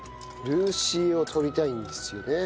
るーしーを取りたいんですよね。